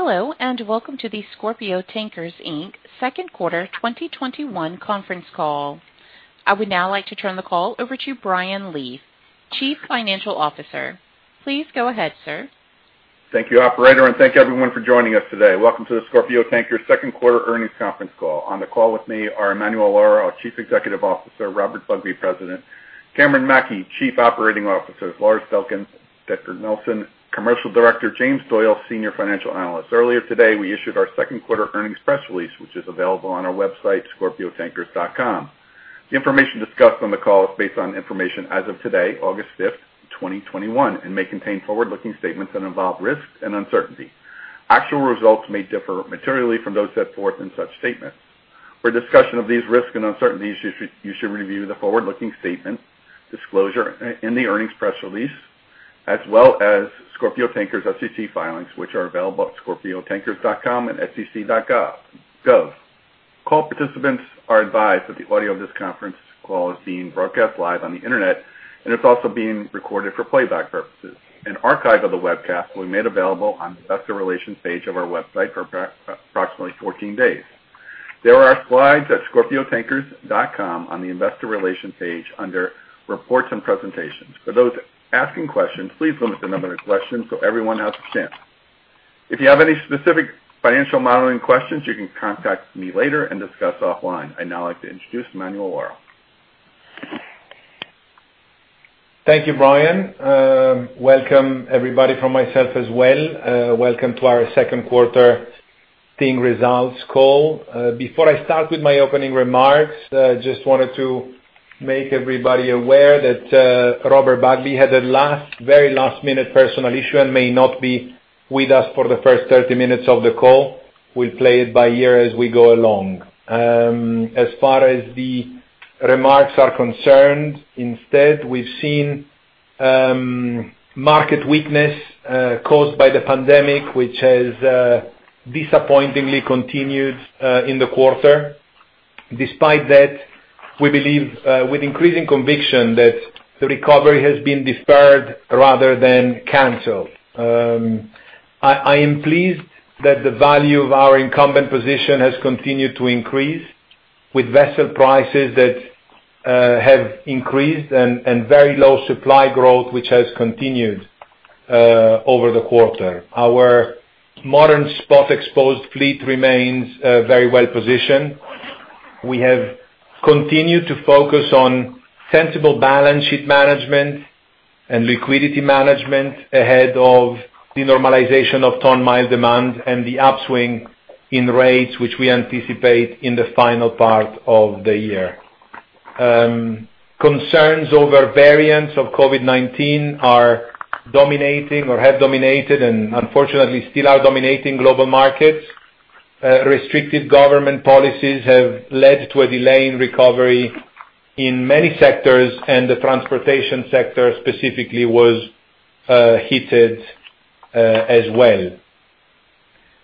Hello, and welcome to the Scorpio Tankers Inc. second quarter 2021 conference call. I would now like to turn the call over to Brian Lee, Chief Financial Officer. Please go ahead, sir. Thank you, operator, and thank you, everyone, for joining us today. Welcome to the Scorpio Tankers 2nd quarter earnings conference call. On the call with me are Emanuele Lauro, our Chief Executive Officer, Robert Bugbee, President, Cameron Mackey, Chief Operating Officer, Lars Dencker Nielsen, Commercial Director, James Doyle, Senior Financial Analyst. Earlier today, we issued our 2nd quarter earnings press release, which is available on our website, scorpiotankers.com. The information discussed on the call is based on information as of today, August 5, 2021, and may contain forward-looking statements that involve risks and uncertainty. Actual results may differ materially from those set forth in such statements. For a discussion of these risks and uncertainties, you should review the forward-looking statement disclosure in the earnings press release, as well as Scorpio Tankers SEC filings, which are available at scorpiotankers.com and sec.gov. Call participants are advised that the audio of this conference call is being broadcast live on the internet and it's also being recorded for playback purposes. An archive of the webcast will be made available on the Investor Relations page of our website for approximately 14 days. There are slides at scorpiotankers.com on the Investor Relations page under Reports and Presentations. For those asking questions, please limit the number of questions so everyone has a chance. If you have any specific financial modeling questions, you can contact me later and discuss offline. I'd now like to introduce Emanuele Lauro. Thank you, Brian. Welcome, everybody, from myself as well. Welcome to our second quarter team results call. Before I start with my opening remarks, I just wanted to make everybody aware that Robert Bugbee had a very last-minute personal issue and may not be with us for the first 30 minutes of the call. We'll play it by ear as we go along. As far as the remarks are concerned, instead, we've seen market weakness caused by the pandemic, which has disappointingly continued in the quarter. Despite that, we believe with increasing conviction that the recovery has been deferred rather than canceled. I am pleased that the value of our incumbent position has continued to increase with vessel prices that have increased and very low supply growth, which has continued over the quarter. Our modern spot-exposed fleet remains very well-positioned. We have continued to focus on sensible balance sheet management and liquidity management ahead of the normalization of ton-mile demand and the upswing in rates, which we anticipate in the final part of the year. Concerns over variants of COVID-19 are dominating or have dominated and unfortunately still are dominating global markets. Restrictive government policies have led to a delay in recovery in many sectors, and the transportation sector specifically was hit as well.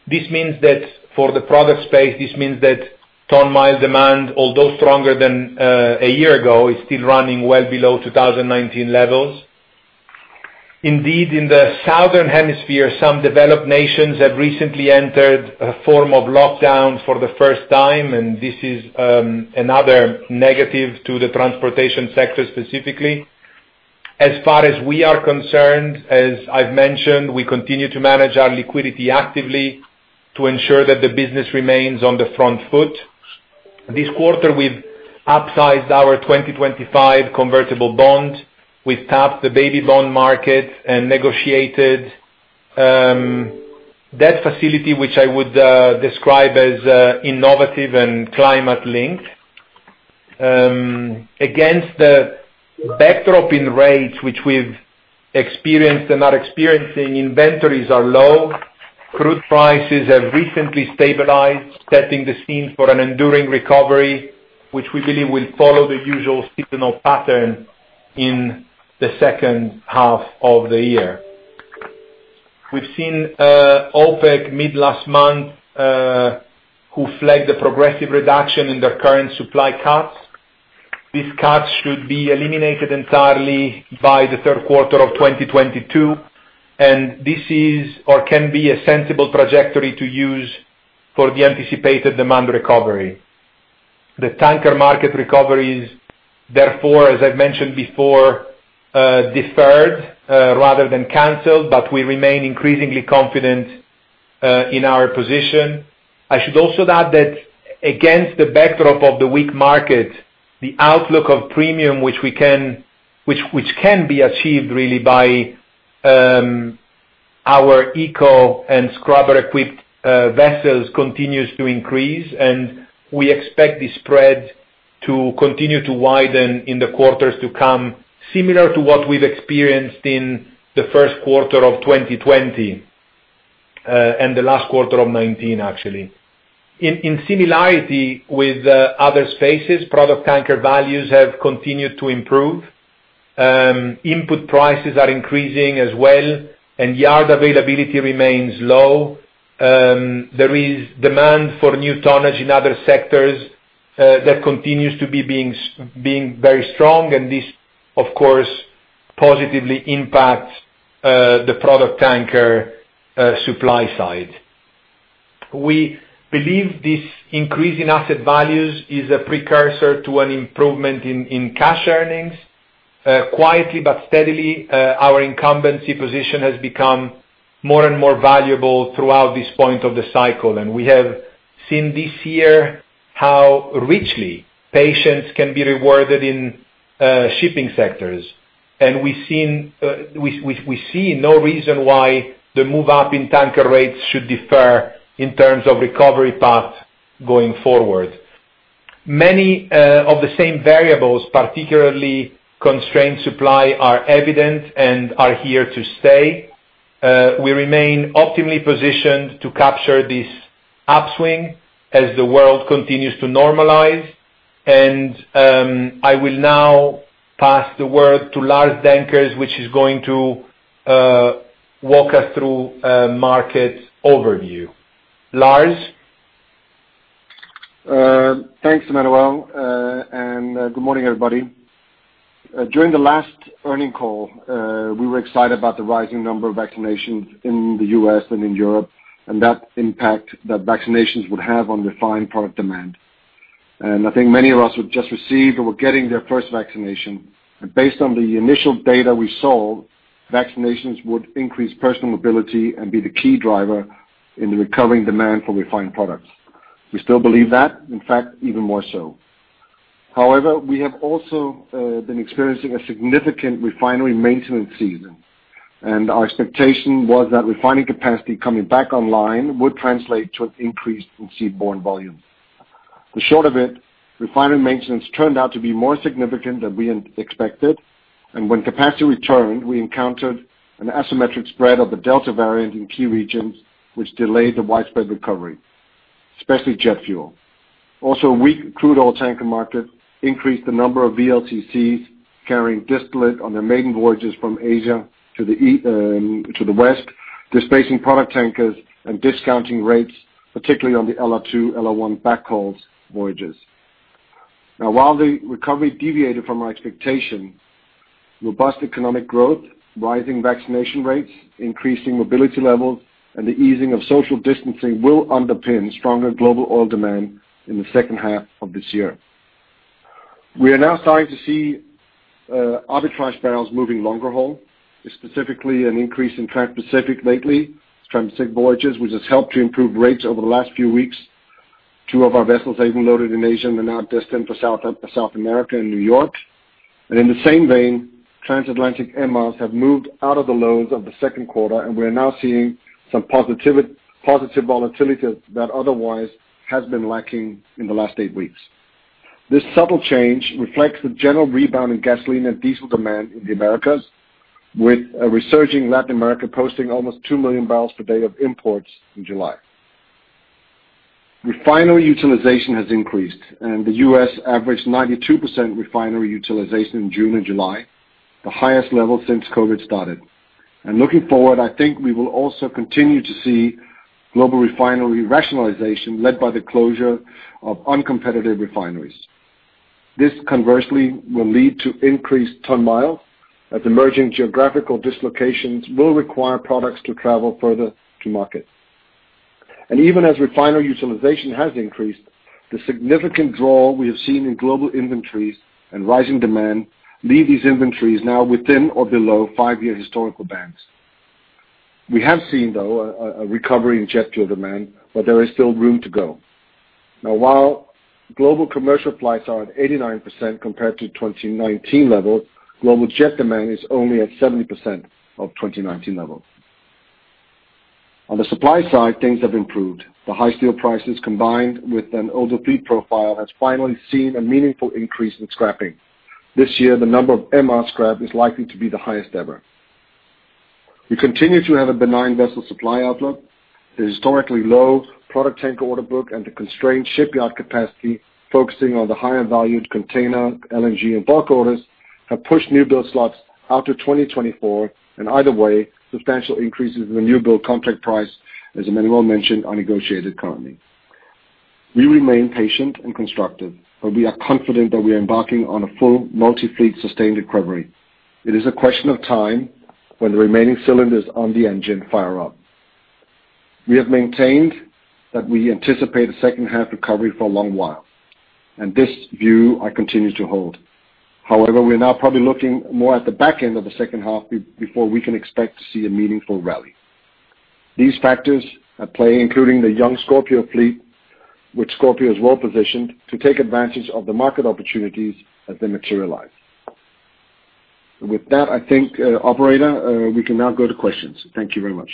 This means that for the product space, this means that ton-mile demand, although stronger than a year ago, is still running well below 2019 levels. Indeed, in the southern hemisphere, some developed nations have recently entered a form of lockdown for the first time, and this is another negative to the transportation sector specifically. As far as we are concerned, as I've mentioned, we continue to manage our liquidity actively to ensure that the business remains on the front foot. This quarter, we've upsized our 2025 convertible bond. We've tapped the baby bond market and negotiated that facility, which I would describe as innovative and climate-linked. Against the backdrop in rates which we've experienced and are experiencing, inventories are low. Crude prices have recently stabilized, setting the scene for an enduring recovery, which we believe will follow the usual seasonal pattern in the second half of the year. We've seen OPEC mid-last month, who flagged a progressive reduction in their current supply cuts. These cuts should be eliminated entirely by the third quarter of 2022, and this is or can be a sensible trajectory to use for the anticipated demand recovery. The tanker market recovery is therefore, as I've mentioned before, deferred rather than canceled. We remain increasingly confident in our position. I should also add that against the backdrop of the weak market, the outlook of premium which can be achieved really by our eco and scrubber-equipped vessels continues to increase. We expect the spread to continue to widen in the quarters to come, similar to what we've experienced in the first quarter of 2020 and the last quarter of 2019, actually. In similarity with other spaces, product tanker values have continued to improve. Input prices are increasing as well. Yard availability remains low. There is demand for new tonnage in other sectors that continues to be being very strong. This, of course, positively impact the product tanker supply side. We believe this increase in asset values is a precursor to an improvement in cash earnings. Quietly but steadily, our incumbency position has become more and valuable throughout this point of the cycle. We have seen this year how richly patience can be rewarded in shipping sectors. We see no reason why the move up in tanker rates should differ in terms of recovery path going forward. Many of the same variables, particularly constrained supply, are evident and are here to stay. We remain optimally positioned to capture this upswing as the world continues to normalize, and I will now pass the word to Lars Dencker Nielsen, which is going to walk us through a market overview. Lars? Thanks, Emanuele, and good morning, everybody. During the last earning call, we were excited about the rising number of vaccinations in the U.S. and in Europe, and that impact that vaccinations would have on refined product demand. I think many of us would just receive or were getting their first vaccination. Based on the initial data we saw, vaccinations would increase personal mobility and be the key driver in recovering demand for refined products. We still believe that, in fact, even more so. However, we have also been experiencing a significant refinery maintenance season, and our expectation was that refining capacity coming back online would translate to an increase in seaborne volume. The short of it, refinery maintenance turned out to be more significant than we expected. When capacity returned, we encountered an asymmetric spread of the Delta variant in key regions, which delayed the widespread recovery, especially jet fuel. Weak crude oil tanker market increased the number of VLCCs carrying distillate on their maiden voyages from Asia to the West, displacing product tankers and discounting rates, particularly on the LR2, LR1 backhauls voyages. While the recovery deviated from our expectation, robust economic growth, rising vaccination rates, increasing mobility levels, and the easing of social distancing will underpin stronger global oil demand in the second half of this year. We are now starting to see arbitrage barrels moving longer haul, specifically an increase in Transpacific lately, Transpacific voyages, which has helped to improve rates over the last few weeks. Two of our vessels even loaded in Asia and are now destined for South America and New York. In the same vein, transatlantic MRs have moved out of the lows of the second quarter, and we're now seeing some positive volatility that otherwise has been lacking in the last eight weeks. This subtle change reflects the general rebound in gasoline and diesel demand in the Americas, with a resurging Latin America posting almost two million barrels per day of imports in July. Refinery utilization has increased, and the U.S. averaged 92% refinery utilization in June and July, the highest level since COVID-19 started. Looking forward, I think we will also continue to see global refinery rationalization led by the closure of uncompetitive refineries. This conversely will lead to increased ton-mile, as emerging geographical dislocations will require products to travel further to market. Even as refinery utilization has increased, the significant draw we have seen in global inventories and rising demand leave these inventories now within or below five-year historical bands. We have seen, though, a recovery in jet fuel demand, but there is still room to go. Now while global commercial flights are at 89% compared to 2019 levels, global jet demand is only at 70% of 2019 levels. On the supply side, things have improved. The high steel prices, combined with an older fleet profile, has finally seen a meaningful increase in scrapping. This year, the number of MR scrap is likely to be the highest ever. We continue to have a benign vessel supply outlook. The historically low product tanker order book and the constrained shipyard capacity, focusing on the higher valued container, LNG, and bulk orders, have pushed newbuild slots out to 2024, and either way, substantial increases in the newbuild contract price, as Emanuele mentioned, are negotiated currently. We remain patient and constructive, but we are confident that we are embarking on a full multi-fleet sustained recovery. It is a question of time when the remaining cylinders on the engine fire up. We have maintained that we anticipate a second half recovery for a long while, and this view I continue to hold. However, we're now probably looking more at the back end of the second half before we can expect to see a meaningful rally. These factors at play, including the young Scorpio fleet, with Scorpio is well-positioned to take advantage of the market opportunities as they materialize. With that, I think, operator, we can now go to questions. Thank you very much.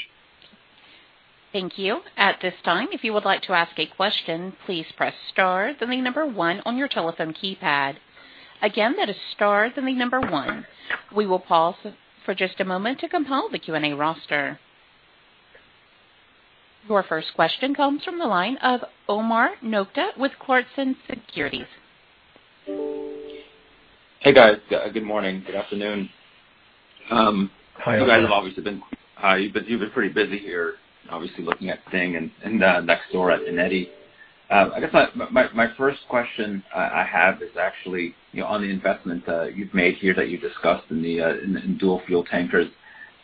Your first question comes from the line of Omar Nokta with Clarksons Securities. Hey, guys. Good morning. Good afternoon. Hi, Omar. You guys have obviously been pretty busy here, obviously looking at thing and next door at Eneti. I guess my first question I have is actually on the investment you've made here that you discussed in the dual fuel tankers.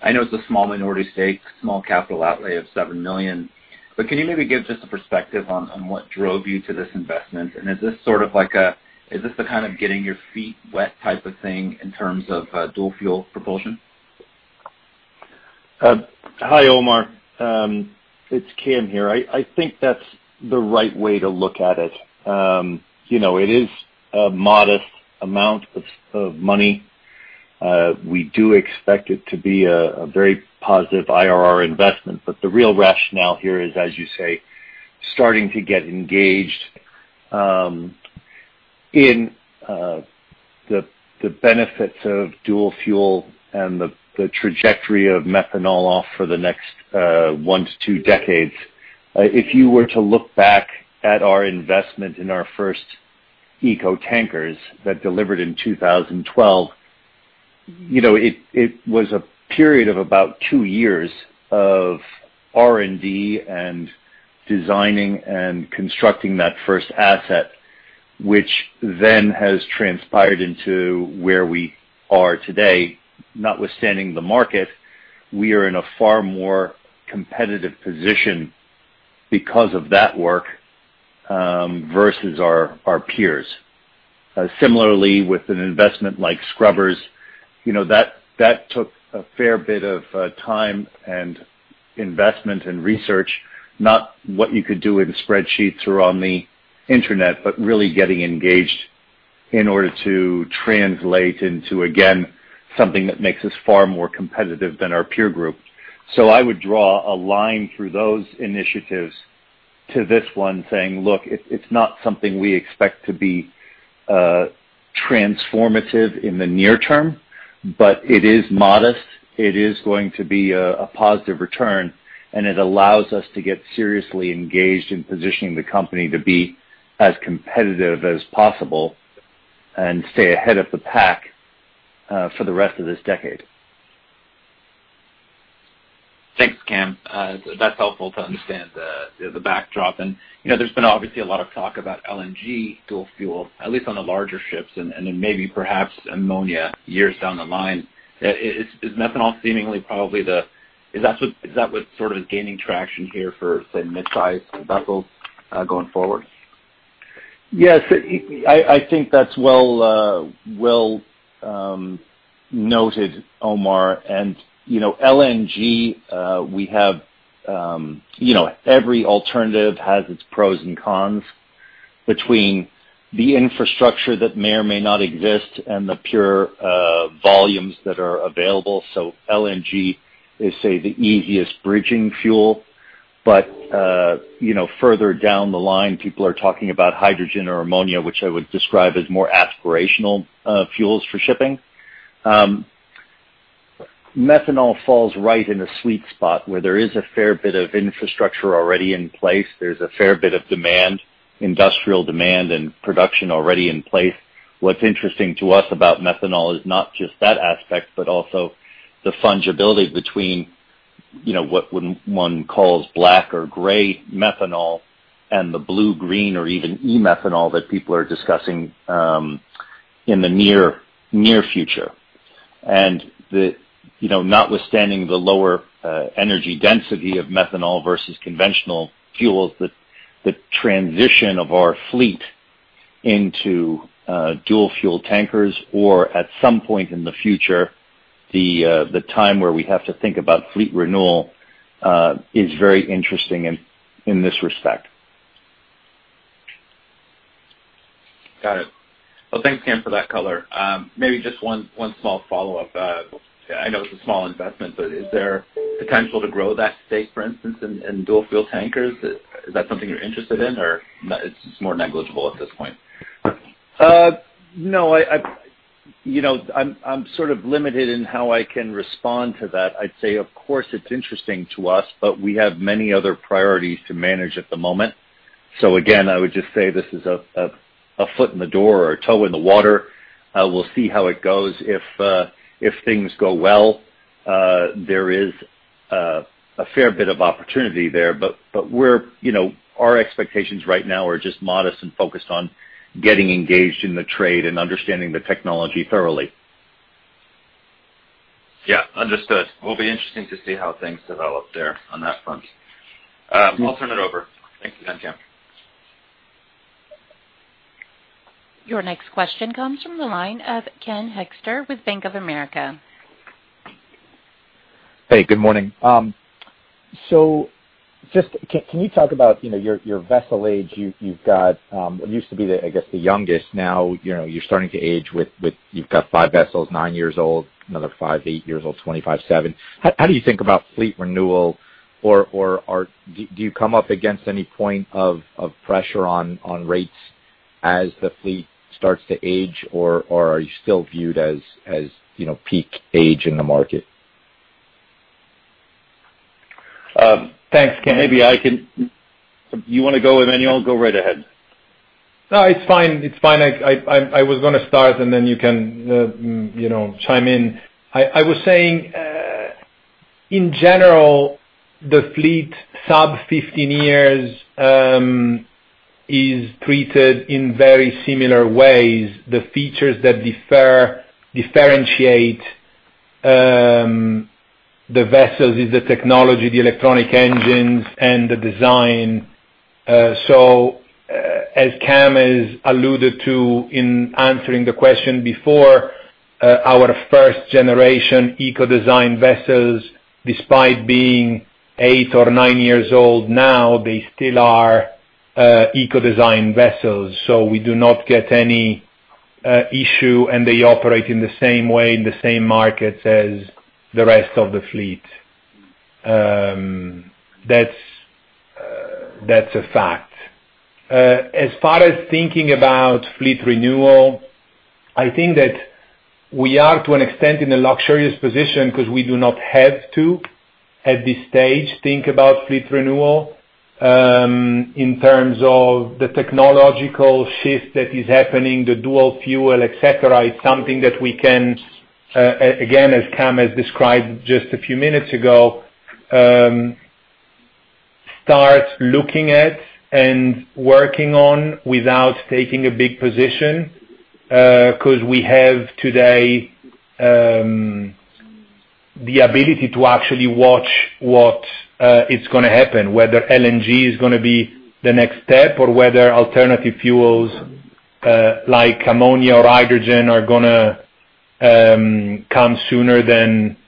I know it's a small minority stake, small capital outlay of $7 million. Can you maybe give just a perspective on what drove you to this investment, and is this the kind of getting your feet wet type of thing in terms of dual fuel propulsion? Hi, Omar. It's Cam here. I think that's the right way to look at it. It is a modest amount of money. We do expect it to be a very positive IRR investment, but the real rationale here is, as you say, starting to get engaged in the benefits of dual fuel and the trajectory of methanol off for the next one to two decades. If you were to look back at our investment in our first eco tankers that delivered in 2012, it was a period of about two years of R&D and designing and constructing that first asset, which then has transpired into where we are today. Notwithstanding the market, we are in a far more competitive position because of that work, versus our peers. Similarly, with an investment like scrubbers, that took a fair bit of time and investment and research, not what you could do in spreadsheets or on the internet, but really getting engaged in order to translate into, again, something that makes us far more competitive than our peer group. I would draw a line through those initiatives to this one saying, look, it's not something we expect to be transformative in the near term, but it is modest. It is going to be a positive return, and it allows us to get seriously engaged in positioning the company to be as competitive as possible and stay ahead of the pack for the rest of this decade. Thanks, Cam. That's helpful to understand the backdrop. There's been obviously a lot of talk about LNG dual fuel, at least on the larger ships, then maybe perhaps ammonia years down the line. Is methanol seemingly probably is that what's sort of gaining traction here for, say, mid-size vessels going forward? Yes, I think that's well noted, Omar. LNG, every alternative has its pros and cons between the infrastructure that may or may not exist and the pure volumes that are available. LNG is, say, the easiest bridging fuel. Further down the line, people are talking about hydrogen or ammonia, which I would describe as more aspirational fuels for shipping. Methanol falls right in a sweet spot where there is a fair bit of infrastructure already in place. There's a fair bit of demand, industrial demand, and production already in place. What's interesting to us about methanol is not just that aspect, but also the fungibility between what one calls black or gray methanol and the blue-green or even e-methanol that people are discussing in the near future. Notwithstanding the lower energy density of methanol versus conventional fuels, the transition of our fleet into dual-fuel tankers or at some point in the future, the time where we have to think about fleet renewal is very interesting in this respect. Got it. Well, thanks, Cam, for that color. Maybe just one small follow-up. I know it's a small investment. Is there potential to grow that stake, for instance, in dual-fuel tankers? Is that something you're interested in or it's more negligible at this point? No, I'm sort of limited in how I can respond to that. I'd say, of course, it's interesting to us, but we have many other priorities to manage at the moment. Again, I would just say this is a foot in the door or a toe in the water. We'll see how it goes. If things go well, there is a fair bit of opportunity there. Our expectations right now are just modest and focused on getting engaged in the trade and understanding the technology thoroughly. Yeah, understood. Will be interesting to see how things develop there on that front. I'll turn it over. Thank you again, Cam. Your next question comes from the line of Ken Hoexter with Bank of America. Hey, good morning. Just, can you talk about your vessel age. You've got what used to be, I guess, the youngest now you're starting to age with you've got five vessels, nine years old, another five, eight years old, 25, seven. How do you think about fleet renewal? Or do you come up against any point of pressure on rates as the fleet starts to age, or are you still viewed as peak age in the market? Thanks, Ken. You want to go, Emanuele? Go right ahead. No, it's fine. I was going to start and then you can chime in. In general, the fleet sub 15 years is treated in very similar ways. The features that differentiate the vessels is the technology, the electronic engines, and the design. As Cam has alluded to in answering the question before, our first-generation eco-design vessels, despite being eight or nine years old now, they still are eco-design vessels. We do not get any issue, and they operate in the same way, in the same markets as the rest of the fleet. That's a fact. As far as thinking about fleet renewal, I think that we are, to an extent, in a luxurious position because we do not have to, at this stage, think about fleet renewal in terms of the technological shift that is happening, the dual fuel, et cetera. It's something that we can, again, as Cam has described just a few minutes ago, start looking at and working on without taking a big position, because we have today the ability to actually watch what is going to happen, whether LNG is going to be the next step or whether alternative fuels like ammonia or hydrogen are going to come sooner than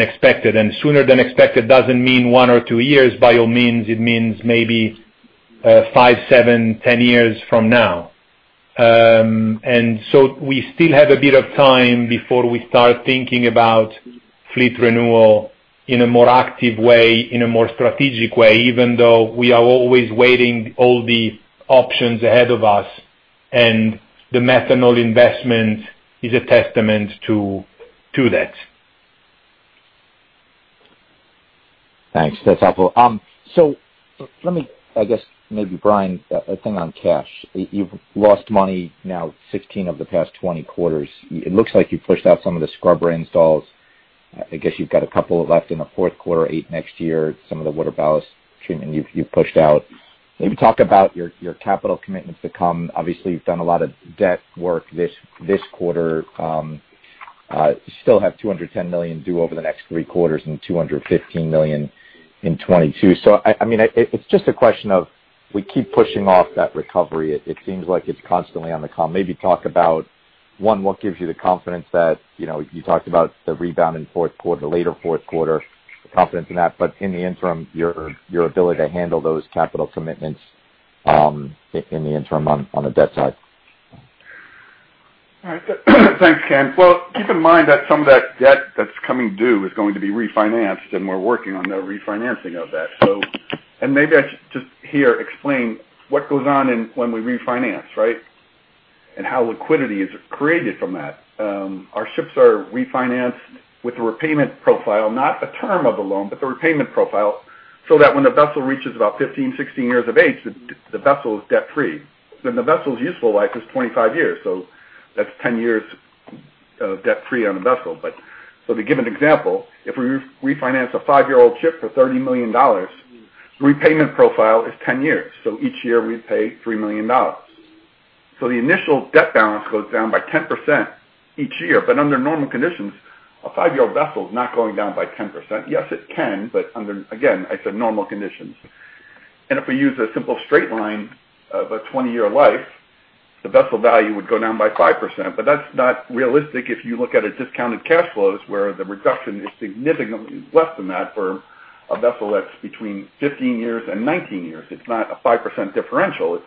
expected. Sooner than expected doesn't mean one or two years, by all means. It means maybe five, seven, 10 years from now. We still have a bit of time before we start thinking about fleet renewal in a more active way, in a more strategic way, even though we are always weighing all the options ahead of us, and the methanol investment is a testament to that. Thanks. That's helpful. Let me, I guess maybe Brian, a thing on cash. You've lost money now 16 of the past 20 quarters. It looks like you pushed out some of the scrubber installs. I guess you've got a couple left in the fourth quarter, eight next year. Some of the ballast water treatment you've pushed out. Maybe talk about your capital commitments to come. Obviously, you've done a lot of debt work this quarter. You still have $210 million due over the next three quarters and $215 million in 2022. It's just a question of we keep pushing off that recovery. It seems like it's constantly on the come. Maybe talk about, one, what gives you the confidence that, you talked about the rebound in fourth quarter, the later fourth quarter, the confidence in that, but in the interim, your ability to handle those capital commitments in the interim on the debt side. All right. Thanks, Ken. Well, keep in mind that some of that debt that's coming due is going to be refinanced, and we're working on the refinancing of that. Maybe I should just here explain what goes on when we refinance, right? How liquidity is created from that. Our ships are refinanced with a repayment profile, not a term of the loan, but the repayment profile, so that when the vessel reaches about 15, 16 years of age, the vessel is debt-free. The vessel's useful life is 25 years. That's 10 years of debt-free on a vessel. To give an example, if we refinance a five-year-old ship for $30 million, the repayment profile is 10 years. Each year we pay $3 million. The initial debt balance goes down by 10% each year. Under normal conditions, a five-year-old vessel is not going down by 10%. Yes, it can, but again, I said normal conditions. If we use a simple straight line of a 20-year life, the vessel value would go down by 5%. That's not realistic if you look at a discounted cash flows, where the reduction is significantly less than that for a vessel that's between 15 years and 19 years. It's not a 5% differential. It's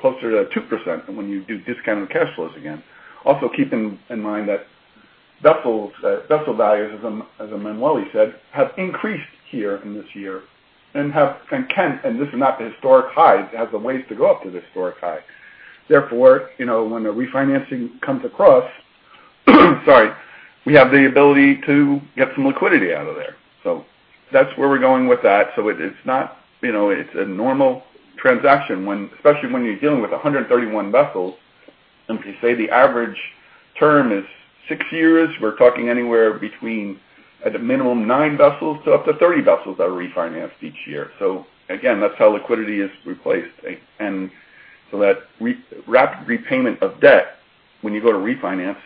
closer to 2% when you do discounted cash flows again. Also, keeping in mind that vessel values, as Emanuele said, have increased here in this year and this is not the historic high. It has a ways to go up to the historic high. Therefore, when a refinancing comes across, sorry, we have the ability to get some liquidity out of there. That's where we're going with that. It's a normal transaction, especially when you're dealing with 131 vessels, and if you say the average term is six years, we're talking anywhere between, at a minimum, nine vessels to up to 30 vessels that are refinanced each year. Again, that's how liquidity is replaced. That rapid repayment of debt when you go to refinance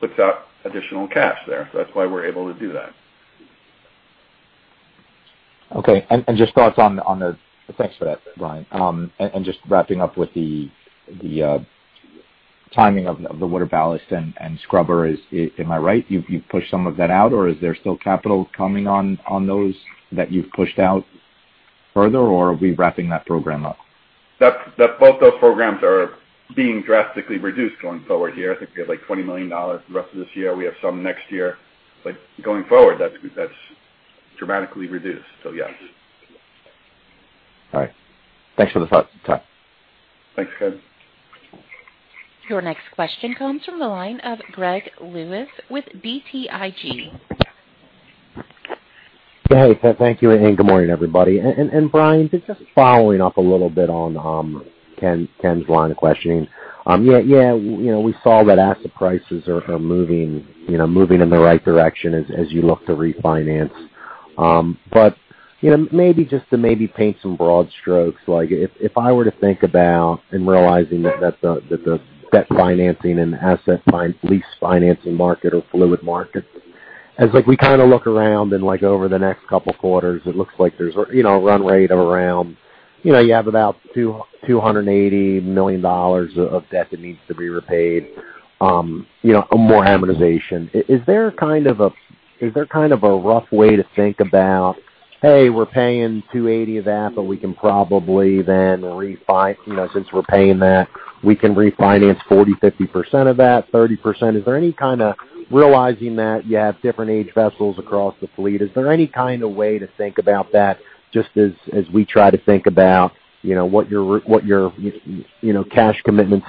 puts out additional cash there. That's why we're able to do that. Okay. Thanks for that, Brian. Just wrapping up with the timing of the water ballast and scrubber, am I right? You've pushed some of that out, or is there still capital coming on those that you've pushed out further, or are we wrapping that program up? Both those programs are being drastically reduced going forward here. I think we have like $20 million the rest of this year. We have some next year. Going forward, that's dramatically reduced, so yes. All right. Thanks for the thought, Cam. Thanks, Ken Hoexter. Your next question comes from the line of Gregory Lewis with BTIG. Hey, thank you, good morning, everybody. Brian, just following up a little bit on Ken's 1 line of questioning. Yeah, we saw that asset prices are moving in the right direction as you look to refinance. Maybe just to paint some broad strokes, if I were to think about, and realizing that the debt financing and the asset lease financing market are fluid markets, as we kind of look around and over the next 2 quarters, it looks like there's a run rate of around You have about $280 million of debt that needs to be repaid. More amortization. Is there kind of a rough way to think about, hey, we're paying $280 million of that, but we can probably then, since we're paying that, refinance 40%-50% of that, 30%. Realizing that you have different age vessels across the fleet, is there any kind of way to think about that, just as we try to think about what your cash commitments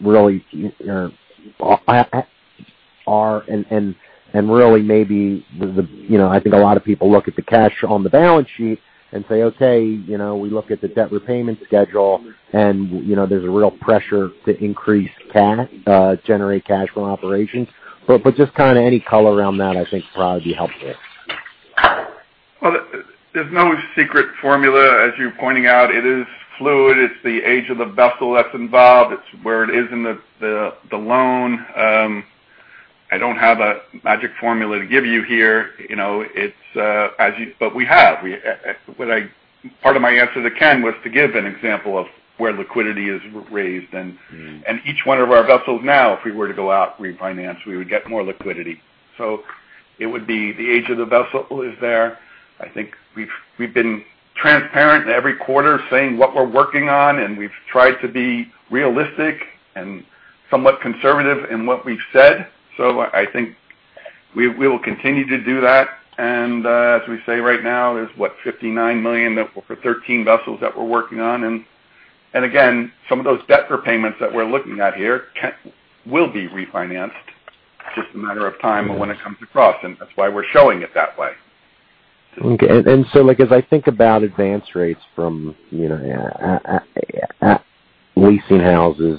really are? Really maybe, I think a lot of people look at the cash on the balance sheet and say, okay, we look at the debt repayment schedule, and there's a real pressure to increase cash, generate cash from operations. Just kind of any color around that I think would probably be helpful. Well, there's no secret formula. As you're pointing out, it is fluid. It's the age of the vessel that's involved. It's where it is in the loan. I don't have a magic formula to give you here. We have. Part of my answer to Ken Hoexter was to give an example of where liquidity is raised. Each one of our vessels now, if we were to go out and refinance, we would get more liquidity. It would be the age of the vessel is there. I think we've been transparent every quarter saying what we're working on, and we've tried to be realistic and somewhat conservative in what we've said. I think we will continue to do that. As we say right now, there's, what, $59 million for 13 vessels that we're working on. Again, some of those debt repayments that we're looking at here will be refinanced. It's just a matter of time and when it comes across, and that's why we're showing it that way. Okay. As I think about advance rates from leasing houses,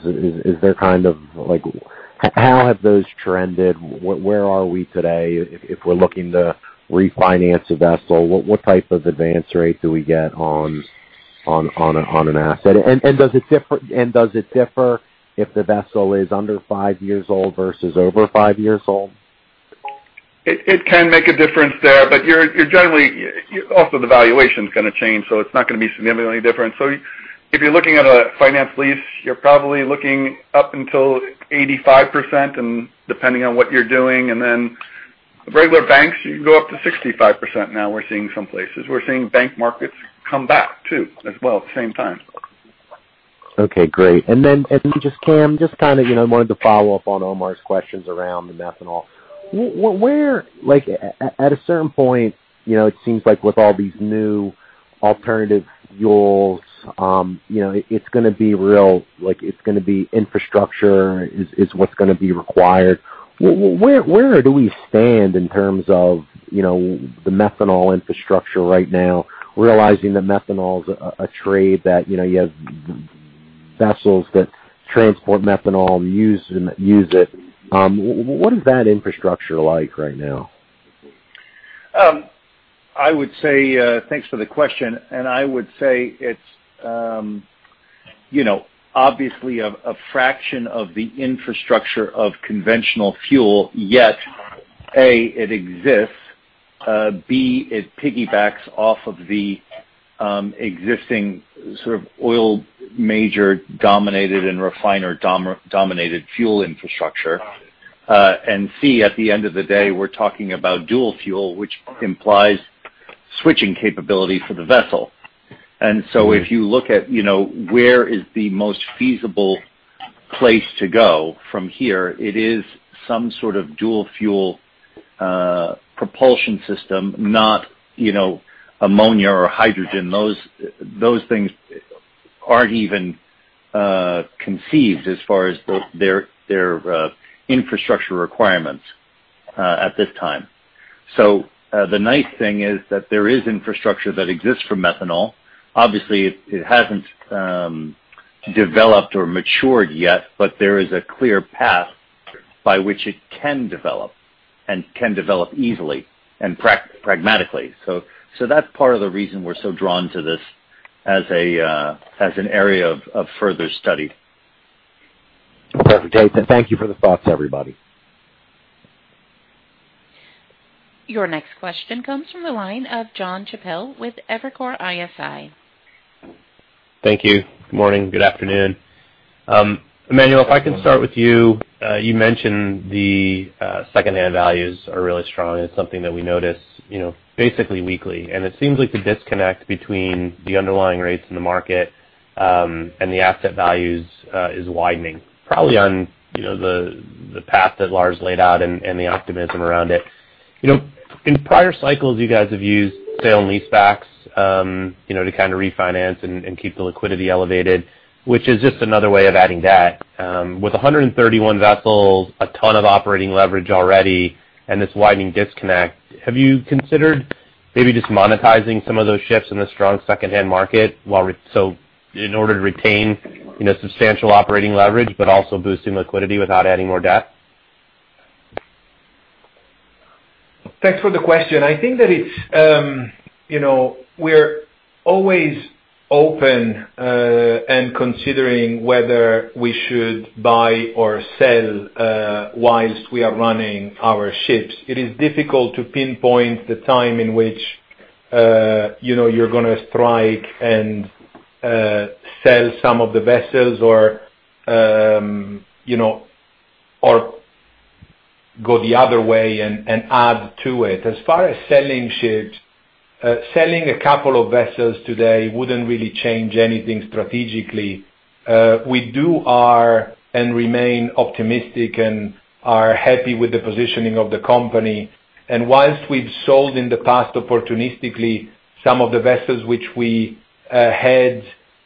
how have those trended? Where are we today if we're looking to refinance a vessel? What type of advance rate do we get on an asset? Does it differ if the vessel is under 5 years old versus over 5 years old? It can make a difference there, also the valuation's going to change, it's not going to be significantly different. If you're looking at a finance lease, you're probably looking up until 85%, depending on what you're doing. Then regular banks, you can go up to 65% now we're seeing some places. We're seeing bank markets come back too, as well, at the same time. Okay, great. Then just, Cam, just kind of wanted to follow up on Omar's questions around methanol. At a certain point, it seems like with all these new alternative fuels, it's going to be infrastructure is what's going to be required. Where do we stand in terms of the methanol infrastructure right now, realizing that methanol is a trade that you have vessels that transport methanol and use it? What is that infrastructure like right now? I would say, thanks for the question. I would say it's obviously a fraction of the infrastructure of conventional fuel, yet, A, it exists, B, it piggybacks off of the existing sort of oil major dominated and refiner dominated fuel infrastructure. C, at the end of the day, we're talking about dual fuel, which implies switching capability for the vessel. If you look at where is the most feasible place to go from here, it is some sort of dual fuel propulsion system, not ammonia or hydrogen. Those things aren't even conceived as far as their infrastructure requirements at this time. The nice thing is that there is infrastructure that exists for methanol. Obviously, it hasn't developed or matured yet, but there is a clear path by which it can develop and can develop easily and pragmatically. That's part of the reason we're so drawn to this as an area of further study. Perfect. Thank you for the thoughts, everybody. Your next question comes from the line of Jonathan Chappell with Evercore ISI. Thank you. Good morning, good afternoon. Emanuele, if I can start with you. You mentioned the secondhand values are really strong, and it's something that we notice basically weekly. It seems like the disconnect between the underlying rates in the market and the asset values is widening, probably on the path that Lars laid out and the optimism around it. In prior cycles, you guys have used sale and leasebacks to kind of refinance and keep the liquidity elevated, which is just another way of adding debt. With 131 vessels, a ton of operating leverage already, and this widening disconnect, have you considered maybe just monetizing some of those ships in the strong secondhand market in order to retain substantial operating leverage but also boosting liquidity without adding more debt? Thanks for the question. I think that we're always open and considering whether we should buy or sell whilst we are running our ships. It is difficult to pinpoint the time in which you're going to strike and sell some of the vessels or go the other way and add to it. As far as selling ships, selling a couple of vessels today wouldn't really change anything strategically. We remain optimistic and are happy with the positioning of the company. Whilst we've sold in the past opportunistically some of the vessels which we had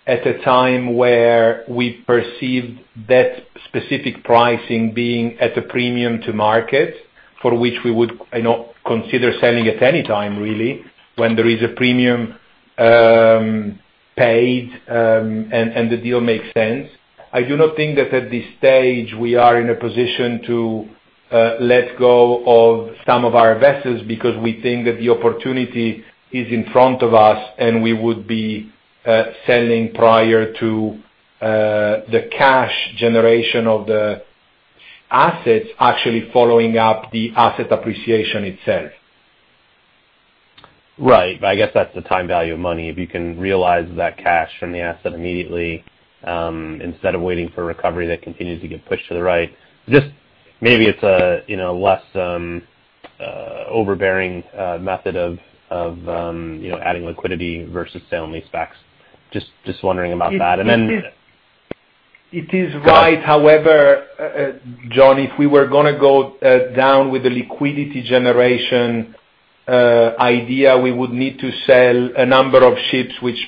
at a time where we perceived that specific pricing being at a premium to market, for which we would not consider selling at any time really, when there is a premium paid, and the deal makes sense. I do not think that at this stage we are in a position to let go of some of our vessels because we think that the opportunity is in front of us and we would be selling prior to the cash generation of the assets actually following up the asset appreciation itself. Right. I guess that's the time value of money. If you can realize that cash from the asset immediately, instead of waiting for recovery, that continues to get pushed to the right. Just maybe it's a less overbearing method of adding liquidity versus sale and leasebacks. Just wondering about that. It is right. John, if we were going to go down with the liquidity generation idea, we would need to sell a number of ships, which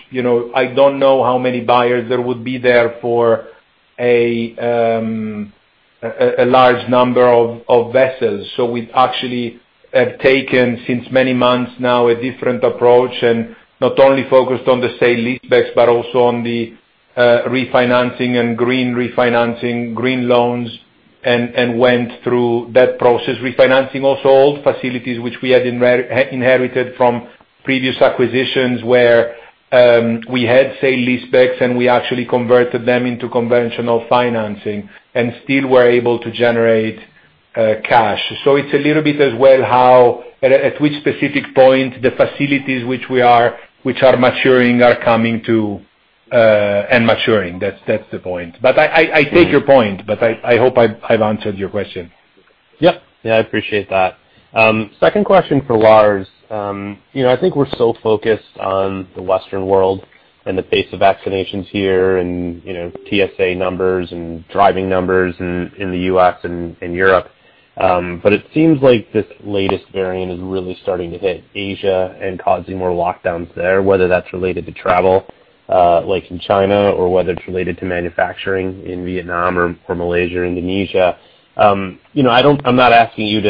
I don't know how many buyers there would be there for a large number of vessels. We actually have taken, since many months now, a different approach and not only focused on the sale lease backs, but also on the refinancing and green refinancing, green loans, and went through that process. Refinancing also old facilities which we had inherited from previous acquisitions, where we had sale lease backs, and we actually converted them into conventional financing and still were able to generate cash. It's a little bit as well how, at which specific point the facilities which are maturing are coming to and maturing. That's the point. I take your point, but I hope I've answered your question. Yep. Yeah, I appreciate that. Second question for Lars. I think we're so focused on the Western world and the pace of vaccinations here and TSA numbers and driving numbers in the U.S. and Europe. It seems like this latest variant is really starting to hit Asia and causing more lockdowns there, whether that's related to travel, like in China or whether it's related to manufacturing in Vietnam or Malaysia or Indonesia. I'm not asking you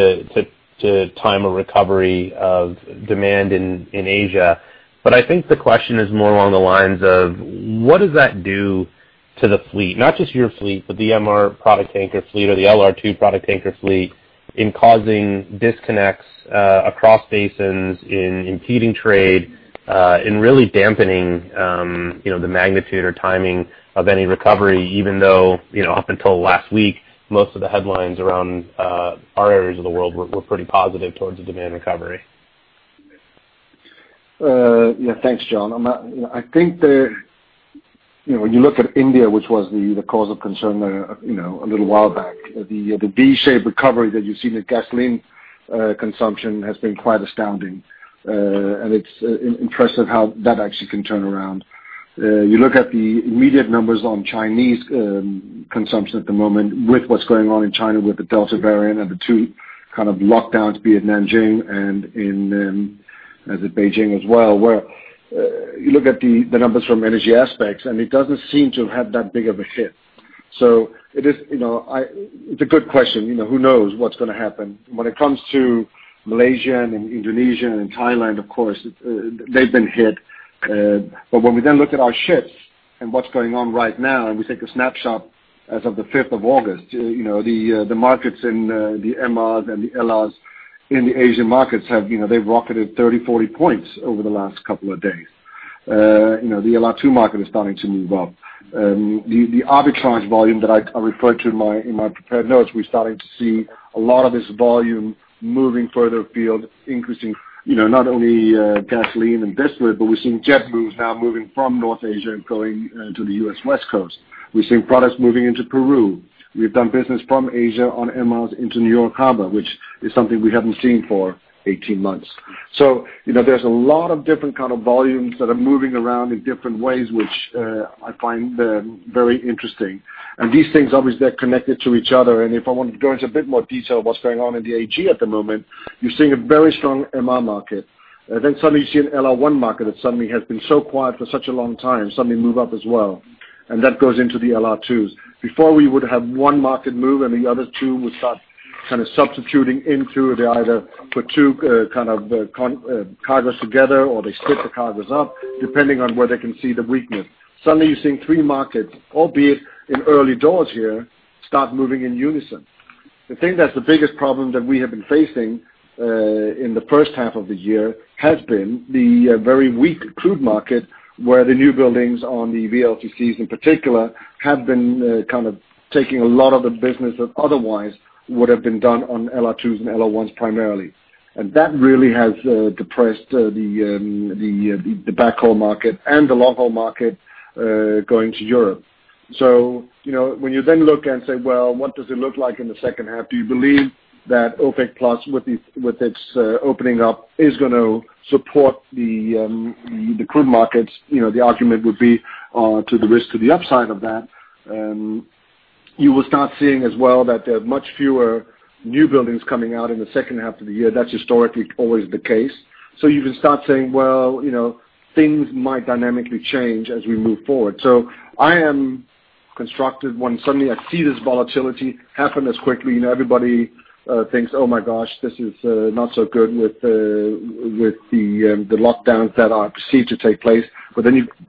to time a recovery of demand in Asia. I think the question is more along the lines of what does that do to the fleet? Not just your fleet, but the MR product tanker fleet or the LR2 product tanker fleet in causing disconnects across basins, in impeding trade, in really dampening the magnitude or timing of any recovery, even though up until last week, most of the headlines around our areas of the world were pretty positive towards the demand recovery. Yeah. Thanks, John. I think that when you look at India, which was the cause of concern a little while back, the V-shaped recovery that you've seen at gasoline consumption has been quite astounding. It's impressive how that actually can turn around. You look at the immediate numbers on Chinese consumption at the moment with what's going on in China with the Delta variant and the 2 kind of lockdowns, be it Nanjing and in Beijing as well, where you look at the numbers from Energy Aspects, it doesn't seem to have had that big of a hit. It's a good question. Who knows what's going to happen? When it comes to Malaysia and Indonesia and Thailand, of course, they've been hit. When we look at our ships and what's going on right now, and we take a snapshot as of the 5th of August, the markets in the MRs and the LRs in the Asian markets, they've rocketed 30, 40 points over the last couple of days. The LR2 market is starting to move up. The arbitrage volume that I referred to in my prepared notes, we're starting to see a lot of this volume moving further afield, increasing not only gasoline and diesel, but we're seeing jet moves now moving from North Asia and going to the U.S. West Coast. We're seeing products moving into Peru. We've done business from Asia on MRs into New York Harbor, which is something we haven't seen for 18 months. There's a lot of different kind of volumes that are moving around in different ways, which I find very interesting. These things obviously are connected to each other. If I want to go into a bit more detail of what's going on in the AG at the moment, you're seeing a very strong MR market. Suddenly you see an LR1 market that suddenly has been so quiet for such a long time, suddenly move up as well. That goes into the LR2s. Before we would have one market move and the other two would start kind of substituting into, they either put two kind of cargoes together or they split the cargoes up, depending on where they can see the weakness. Suddenly you're seeing three markets, albeit in early doors here, start moving in unison. The thing that's the biggest problem that we have been facing in the first half of the year has been the very weak crude market, where the new buildings on the VLCCs in particular have been kind of taking a lot of the business that otherwise would have been done on LR2s and LR1s primarily. That really has depressed the backhaul market and the long-haul market going to Europe. When you then look and say, well, what does it look like in the second half? Do you believe that OPEC Plus, with its opening up, is going to support the crude markets? The argument would be to the risk to the upside of that. You will start seeing as well that there are much fewer newbuilds coming out in the second half of the year. That's historically always the case. You can start saying, well, things might dynamically change as we move forward. I am constrained when suddenly I see this volatility happen as quickly, and everybody thinks, Oh my gosh, this is not so good with the lockdowns that are perceived to take place.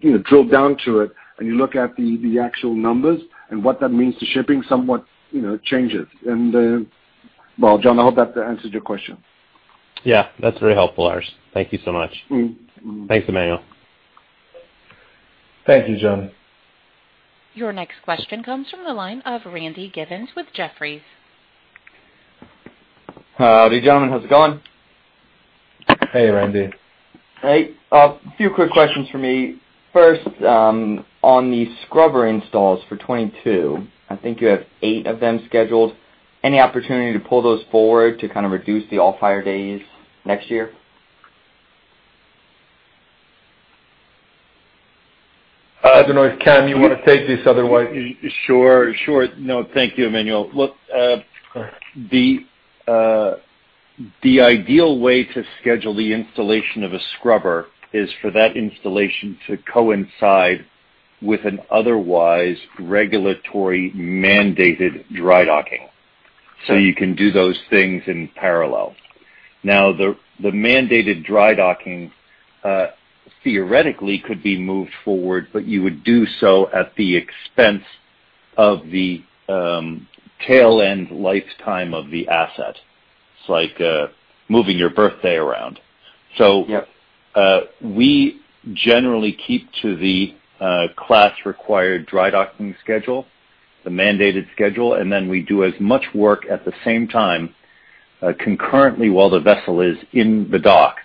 You drill down to it and you look at the actual numbers and what that means to shipping somewhat changes. Well, John, I hope that answers your question. Yeah, that's very helpful, Lars. Thank you so much. Thanks, Emanuele. Thank you, John. Your next question comes from the line of Randy Giveans with Jefferies. Howdy, gentlemen. How's it going? Hey, Randy. Hey. A few quick questions from me. First, on the scrubber installs for 2022, I think you have eight of them scheduled. Any opportunity to pull those forward to kind of reduce the off-hire days next year? I don't know if, Cameron Makey, you want to take this otherwise. Sure. Thank you, Emanuele. Look, the ideal way to schedule the installation of a scrubber is for that installation to coincide with an otherwise regulatory-mandated dry docking, so you can do those things in parallel. The mandated dry docking, theoretically could be moved forward, but you would do so at the expense of the tail-end lifetime of the asset. It's like moving your birthday around. Yep. We generally keep to the class-required dry docking schedule, the mandated schedule, and then we do as much work at the same time concurrently while the vessel is in the dock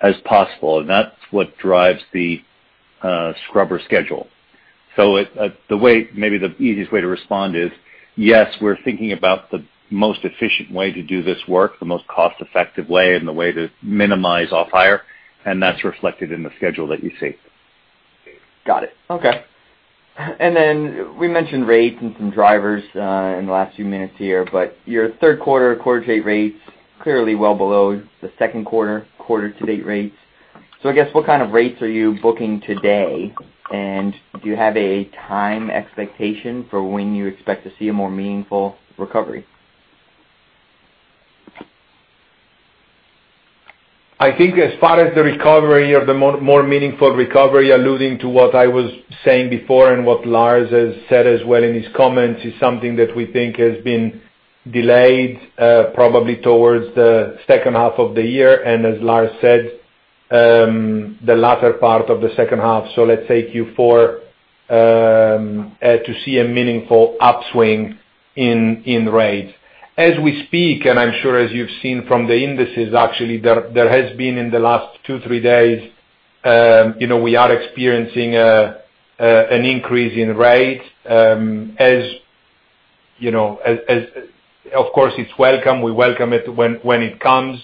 as possible, and that's what drives the scrubber schedule. Maybe the easiest way to respond is, yes, we're thinking about the most efficient way to do this work, the most cost-effective way, and the way to minimize off-hire, and that's reflected in the schedule that you see. Got it. Okay. We mentioned rates and some drivers in the last few minutes here, but your third quarter quarter-to-date rates clearly well below the second quarter-to-date rates. I guess, what kind of rates are you booking today? Do you have a time expectation for when you expect to see a more meaningful recovery? I think as far as the recovery or the more meaningful recovery, alluding to what I was saying before and what Lars has said as well in his comments, is something that we think has been delayed probably towards the second half of the year and, as Lars said, the latter part of the second half. Let's say Q4 to see a meaningful upswing in rates. As we speak, and I'm sure as you've seen from the indices actually, there has been in the last two, three days, we are experiencing an increase in rates. Of course, it's welcome. We welcome it when it comes.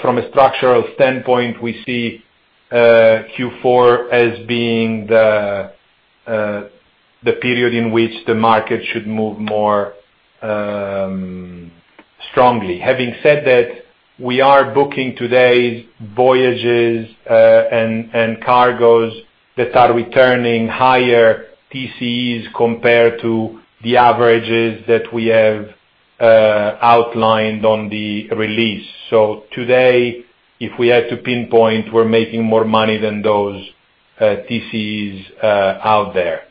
From a structural standpoint, we see Q4 as being the period in which the market should move more strongly. Having said that, we are booking today voyages and cargoes that are returning higher TCEs compared to the averages that we have outlined on the release. Today, if we had to pinpoint, we're making more money than those TCEs out there.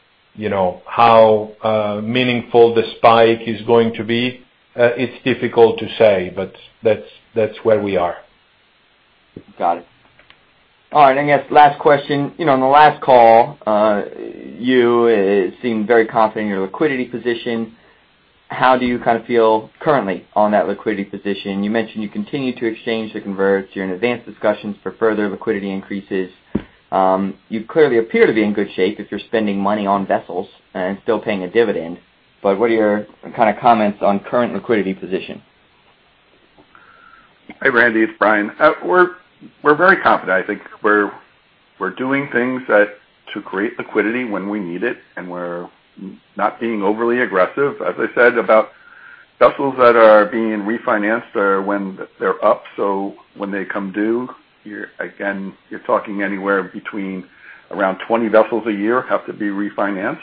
How meaningful the spike is going to be, it's difficult to say, but that's where we are. Got it. All right. I guess last question. On the last call, you seemed very confident in your liquidity position. How do you kind of feel currently on that liquidity position? You mentioned you continue to exchange the converts. You're in advanced discussions for further liquidity increases. You clearly appear to be in good shape if you're spending money on vessels and still paying a dividend. What are your kind of comments on current liquidity position? Hey, Randy, it's Brian. We're very confident. I think we're doing things to create liquidity when we need it, and we're not being overly aggressive. As I said about vessels that are being refinanced when they're up, so when they come due, again, you're talking anywhere between around 20 vessels a year have to be refinanced.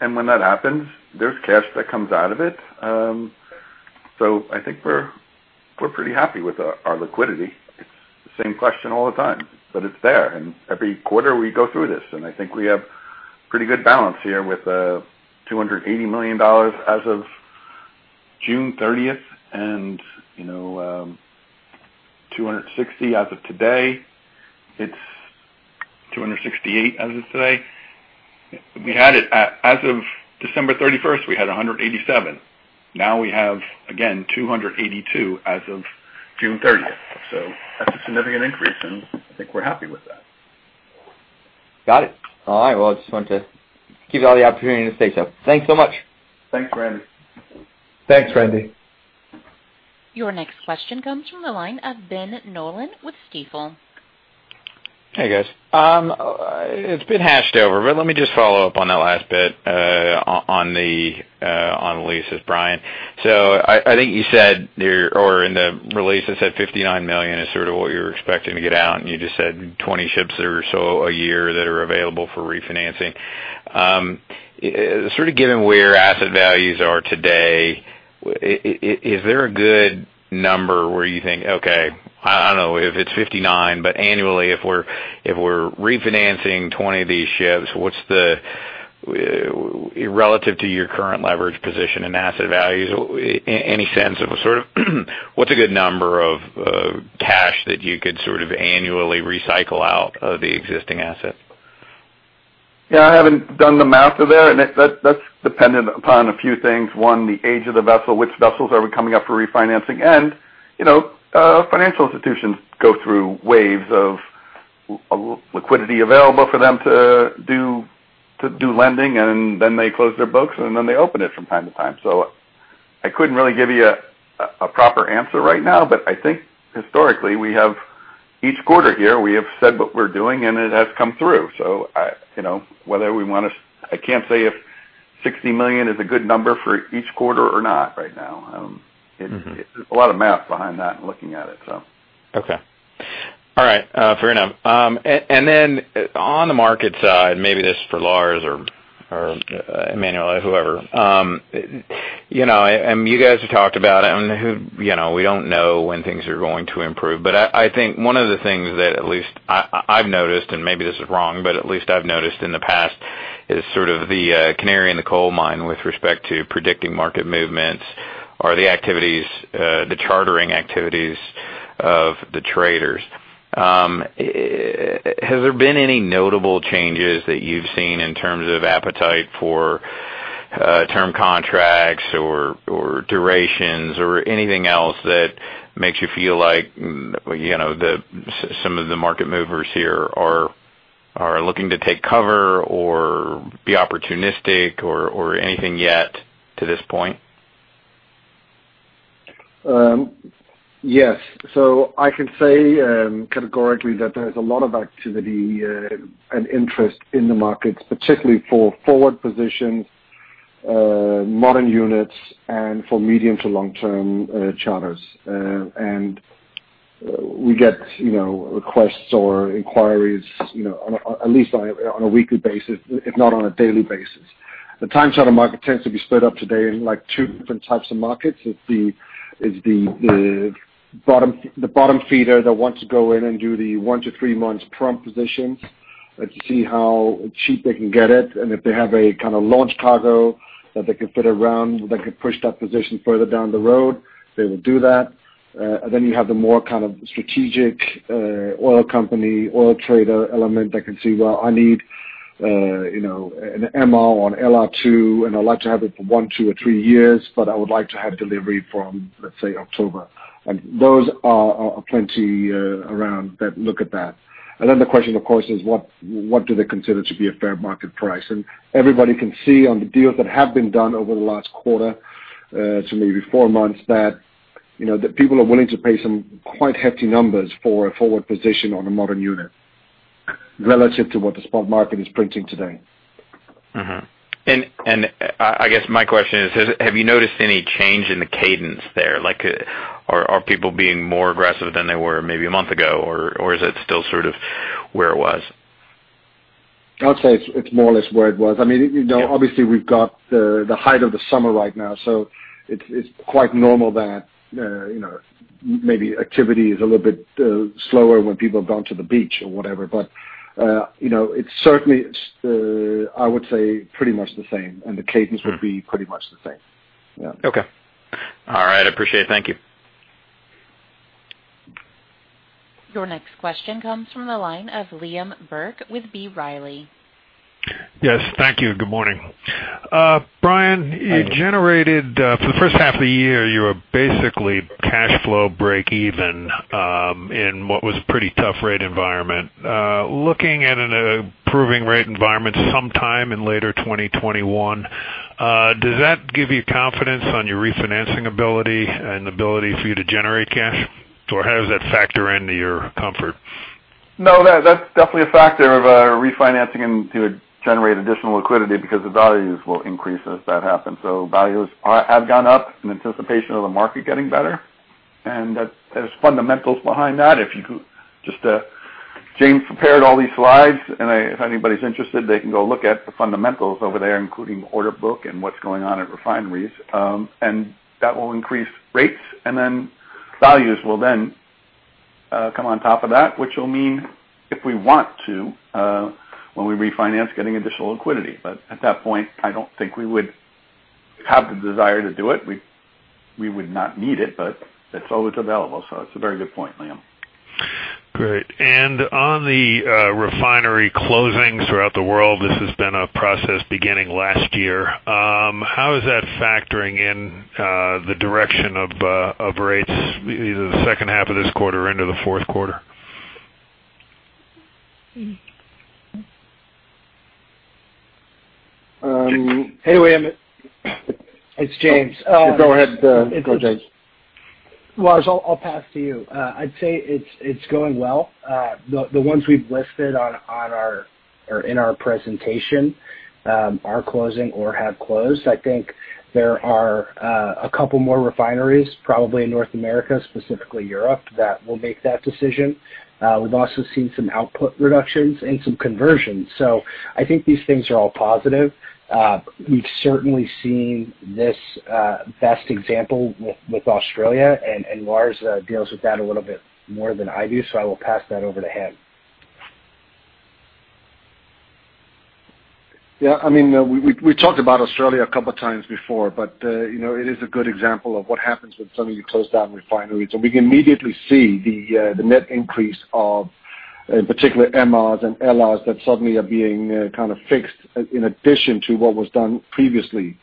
When that happens, there's cash that comes out of it. I think we're pretty happy with our liquidity. It's the same question all the time, but it's there. Every quarter we go through this, and I think we have Pretty good balance here with $280 million as of June 30th, and $260 as of today. It's $268 as of today. As of December 31st, we had $187. Now we have, again, $282 as of June 30th. That's a significant increase, and I think we're happy with that. Got it. All right. Well, I just wanted to give you all the opportunity to say so. Thanks so much. Thanks, Randy. Thanks, Randy. Your next question comes from the line of Ben Nolan with Stifel. Hey, guys. It's been hashed over, but let me just follow up on that last bit on the leases, Brian. I think you said, or in the release it said $59 million is sort of what you're expecting to get out, and you just said 20 ships or so a year that are available for refinancing. Sort of given where asset values are today, is there a good number where you think, okay, I don't know if it's 59, but annually, if we're refinancing 20 of these ships, relative to your current leverage position and asset values, any sense of what's a good number of cash that you could sort of annually recycle out of the existing asset? I haven't done the math for that, and that's dependent upon a few things. One, the age of the vessel, which vessels are coming up for refinancing. Financial institutions go through waves of liquidity available for them to do lending, and then they close their books, and then they open it from time to time. I couldn't really give you a proper answer right now. I think historically, each quarter here, we have said what we're doing, and it has come through. I can't say if $60 million is a good number for each quarter or not right now. There's a lot of math behind that and looking at it. Okay. All right. Fair enough. On the market side, maybe this is for Lars or Emanuele or whoever. You guys have talked about it, and we don't know when things are going to improve, but I think one of the things that at least I've noticed, and maybe this is wrong, but at least I've noticed in the past, is sort of the canary in the coal mine with respect to predicting market movements are the chartering activities of the traders. Has there been any notable changes that you've seen in terms of appetite for term contracts or durations or anything else that makes you feel like some of the market movers here are looking to take cover or be opportunistic or anything yet to this point? Yes. I can say categorically that there is a lot of activity and interest in the markets, particularly for forward positions, modern units, and for medium to long-term charters. We get requests or inquiries at least on a weekly basis, if not on a daily basis. The time charter market tends to be split up today in two different types of markets. It's the bottom feeder that wants to go in and do the 1-3 months prompt positions and see how cheap they can get it. If they have a kind of launch cargo that they can fit around, that can push that position further down the road, they will do that. You have the more kind of strategic oil company, oil trader element that can see, well, I need an MR on LR2, and I'd like to have it for one, two, or three years, but I would like to have delivery from, let's say, October. Those are plenty around that look at that. The question, of course, is what do they consider to be a fair market price? Everybody can see on the deals that have been done over the last quarter to maybe four months that people are willing to pay some quite hefty numbers for a forward position on a modern unit relative to what the spot market is printing today. I guess my question is, have you noticed any change in the cadence there? Are people being more aggressive than they were maybe a month ago, or is it still sort of where it was? I'd say it's more or less where it was. We've got the height of the summer right now, so it's quite normal that maybe activity is a little bit slower when people have gone to the beach or whatever. It's certainly, I would say, pretty much the same, and the cadence would be pretty much the same. Yeah. Okay. All right. I appreciate it. Thank you. Your next question comes from the line of Liam Burke with B. Riley. Yes. Thank you. Good morning. Hi. You generated for the first half of the year, you were basically cash flow breakeven in what was a pretty tough rate environment. Looking at an improving rate environment sometime in later 2021, does that give you confidence on your refinancing ability and ability for you to generate cash, or how does that factor into your comfort? That's definitely a factor of refinancing and to generate additional liquidity because the values will increase as that happens. Values have gone up in anticipation of the market getting better, and there's fundamentals behind that. James prepared all these slides, and if anybody's interested, they can go look at the fundamentals over there, including order book and what's going on at refineries. That will increase rates, and then values will then come on top of that, which will mean if we want to, when we refinance, getting additional liquidity. At that point, I don't think we would have the desire to do it. We would not need it, but it's always available, so it's a very good point, Liam. Great. On the refinery closings throughout the world, this has been a process beginning last year. How is that factoring in the direction of rates, either the second half of this quarter or into the fourth quarter? Hey, Liam. It's James. Go ahead. Go, James. Lars, I'll pass to you. I'd say it's going well. The ones we've listed in our presentation are closing or have closed. I think there are a couple more refineries, probably in North America, specifically Europe, that will make that decision. We've also seen some output reductions and some conversions. I think these things are all positive. We've certainly seen this best example with Australia, and Lars deals with that a little bit more than I do, so I will pass that over to him. We talked about Australia a couple of times before, but it is a good example of what happens when suddenly you close down refineries. We can immediately see the net increase of, in particular, MRs and LRs that suddenly are being kind of fixed in addition to what was done previously.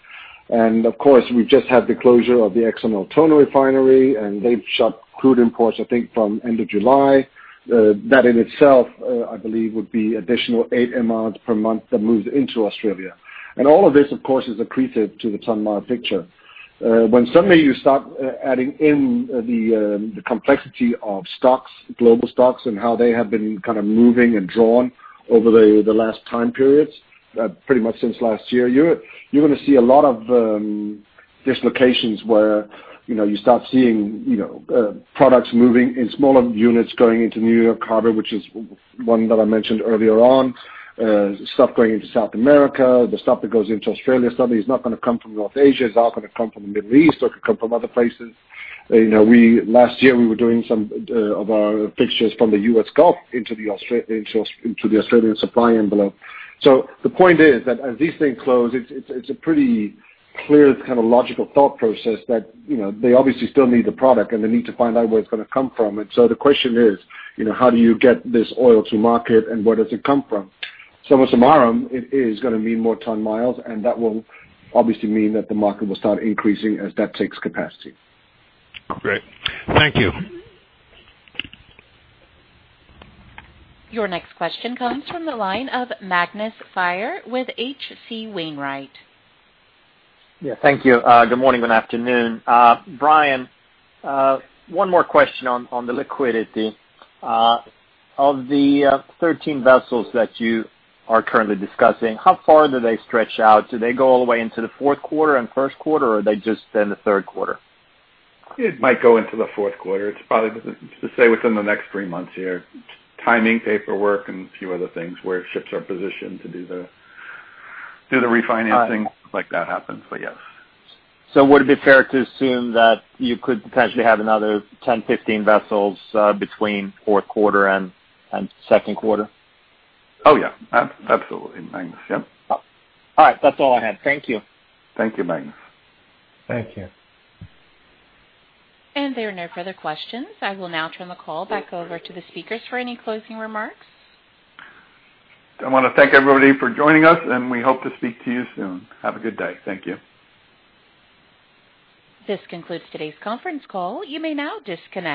Of course, we've just had the closure of the ExxonMobil Altona refinery, and they've shut crude imports, I think, from end of July. That in itself, I believe, would be additional eight MRs per month that moves into Australia. All of this, of course, is accretive to the ton-mile picture. When suddenly you start adding in the complexity of stocks, global stocks, and how they have been kind of moving and drawn over the last time periods, pretty much since last year. You're going to see a lot of dislocations where you start seeing products moving in smaller units going into New York Harbor, which is one that I mentioned earlier on. Stuff going into South America. The stuff that goes into Australia suddenly is not going to come from North Asia, it's now going to come from the Middle East or it could come from other places. Last year, we were doing some of our fixtures from the U.S. Gulf into the Australian supply envelope. The point is that as these things close, it's a pretty clear kind of logical thought process that they obviously still need the product and they need to find out where it's going to come from. The question is, how do you get this oil to market, and where does it come from? With Sethusamudram, it is going to mean more ton-miles, and that will obviously mean that the market will start increasing as that takes capacity. Great. Thank you. Your next question comes from the line of Magnus Fyhr with H.C. Wainwright. Yeah. Thank you. Good morning. Good afternoon. Brian, one more question on the liquidity. Of the 13 vessels that you are currently discussing, how far do they stretch out? Do they go all the way into the fourth quarter and first quarter, or are they just in the third quarter? It might go into the fourth quarter. It's probably to say within the next three months here. Timing, paperwork, and a few other things where ships are positioned to do the refinancing, stuff like that happens. But yes. Would it be fair to assume that you could potentially have another 10, 15 vessels between fourth quarter and second quarter? Oh, yeah. Absolutely, Magnus. Yep. All right. That's all I had. Thank you. Thank you, Magnus. Thank you. There are no further questions. I will now turn the call back over to the speakers for any closing remarks. I want to thank everybody for joining us, and we hope to speak to you soon. Have a good day. Thank you. This concludes today's conference call. You may now disconnect.